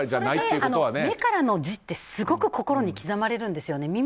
目からの字ってすごく心に刻まれるんですよね。